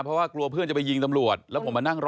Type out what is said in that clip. เพราะว่ากลัวเพื่อนจะไปยิงตำรวจแล้วผมมานั่งรอ